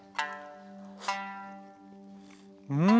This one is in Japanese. うん！